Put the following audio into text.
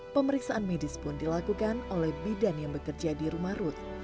pemeriksaan medis pun dilakukan oleh bidan yang bekerja di rumah rut